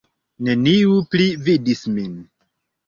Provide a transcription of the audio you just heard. Neniu pli vidis min.